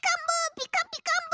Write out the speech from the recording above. ピカピカブ！